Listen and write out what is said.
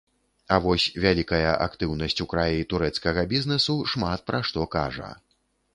А вось вялікая актыўнасць у краі турэцкага бізнэсу шмат пра што кажа.